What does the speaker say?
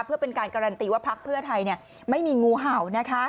เพื่อเป็นการการันตีว่าพักเพื่อไทยไม่มีงูเห่านะคะ